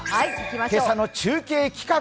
今朝の中継企画！